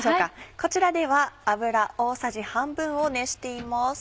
こちらでは油大さじ半分を熱しています。